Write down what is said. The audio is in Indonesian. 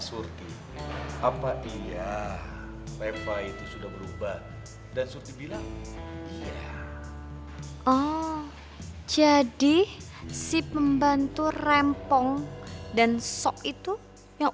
surti apa iya leva itu sudah berubah dan surti bilang ya oh jadi si pembantu rempong dan sok itu yang